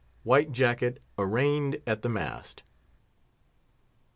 WHITE JACKET ARRAIGNED AT THE MAST.